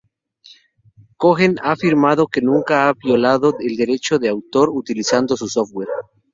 Cohen ha afirmado que nunca ha violado el derecho de autor utilizando su software.